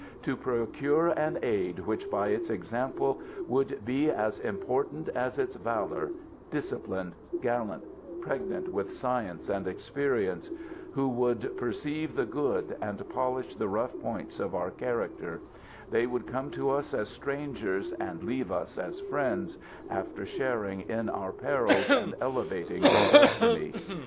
To procure an aid, which, OF MR. EMMET. 369 by its example, would he as important as its valour, disciplined, gallant, pregnant with science and experience ; who would per ceive the good, and polish the rough points of our character ; they would come to us as strangers, and leave us as friends, after sharing in our perils and elevating our destiny.